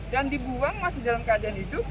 dan dibuang masih dalam keadaan hidup